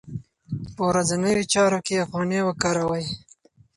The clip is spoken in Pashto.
په ورځنیو چارو کې افغانۍ وکاروئ.